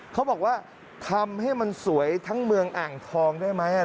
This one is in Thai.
เขาบอกว่าทำให้มันสวยทั้งเมืองอ่างทองได้ไหม